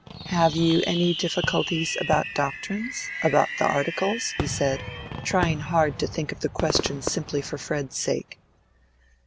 "Have you any difficulties about doctrines—about the Articles?" he said, trying hard to think of the question simply for Fred's sake.